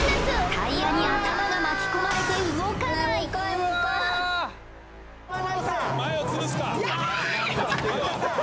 タイヤに頭が巻き込まれて動かないヤバい！